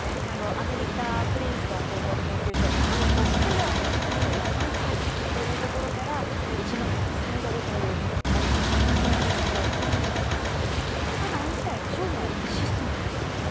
アメリカプリンストン高等研究所何としてもアインシュタインを雇いたいというところから１万５，０００ドルという当時破格の金額を提示していました。